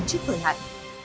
trước thời hạn